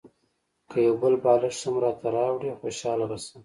که یو بل بالښت هم راته راوړې خوشاله به شم.